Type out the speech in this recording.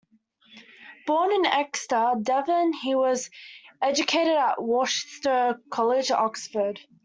Born in Exeter, Devon, he was educated at Worcester College, Oxford.